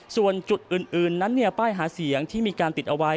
ส่วนจุดอื่นนั้นป้ายหาเสียงที่มีการติดเอาไว้